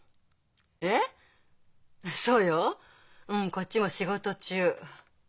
こっちも仕事中。